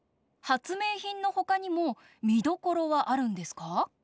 はつめいひんのほかにもみどころはあるんですか？